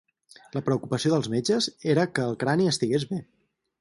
La preocupació dels metges era que el crani estigués bé.